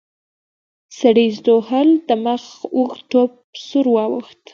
سړي شټوهل د مخ اوږد ټپ سور واوښت.